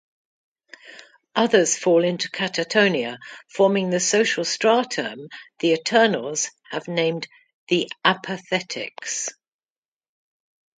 Others fall into catatonia, forming the social stratum the Eternals have named the "Apathetics".